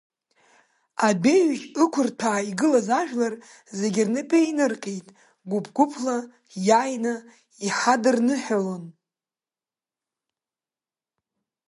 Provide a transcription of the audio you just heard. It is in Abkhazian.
Адәеиужь ықәырҭәаа игылаз ажәлар зегьы рнапы еинырҟьеит, гәыԥ-гәыԥла, иааины иҳадырныҳәалон.